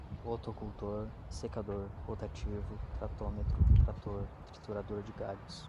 rotocultor, secador rotativo, tratometro, trator, triturador de galhos